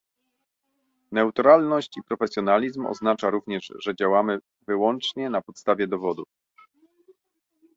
Neutralność i profesjonalizm oznacza również, że działamy wyłącznie na podstawie dowodów